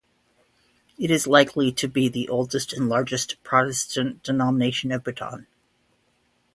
It is likely to be the oldest and largest Protestant denomination of Bhutan.